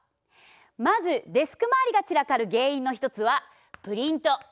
まずデスク周りが散らかる原因の一つはプリント。